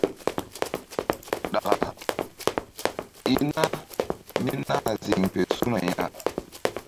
Ɗaka i na mí nah ziŋ fe su̧na ya.